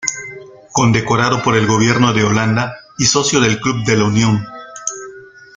Condecorado por el gobierno de Holanda y socio del Club de La Unión.